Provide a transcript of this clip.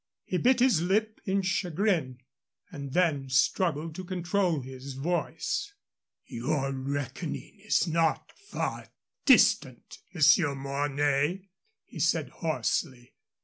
He bit his lip in chagrin, and then struggled to control his voice. "Your reckoning is not far distant, Monsieur Mornay," he said, hoarsely.